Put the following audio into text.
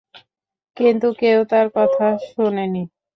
কিন্তু কেউ তাঁর কথা শোনেনি।